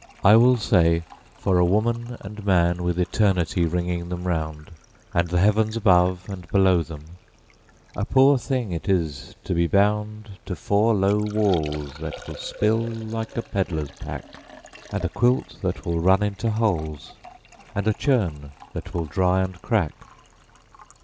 I will say, For a woman and man with eternity ringing them round, And the heavens above and below them, a poor thing it is to be boundTo four low walls that will spill like a pedlar's pack, And a quilt that will run into holes, and a churn that will dry and crack.